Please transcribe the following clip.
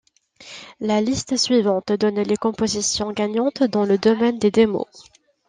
La liste suivante donne les compositions gagnantes dans le domaine des démos.